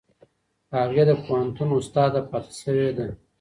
هغې د پوهنتون استاده پاتې شوې ده.